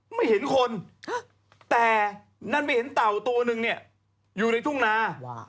ไม่เห็นคนแต่นั่นไม่เห็นเต่าตัวนึงเนี่ยอยู่ในทุ่งนา